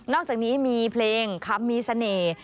อกจากนี้มีเพลงคำมีเสน่ห์